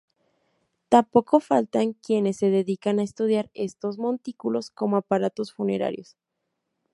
Tampoco faltan quienes se dedican a estudiar estos montículos como aparatos funerarios.